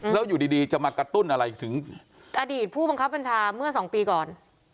แล้วอยู่ดีจะมากระตุ้นอะไรถึงอดีตผู้บังคับบัญชาเมื่อสองปีก่อน